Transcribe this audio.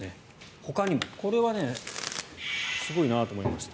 ほかにも、これはすごいなと思いました。